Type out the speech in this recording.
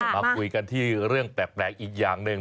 มาคุยกันที่เรื่องแปลกอีกอย่างหนึ่ง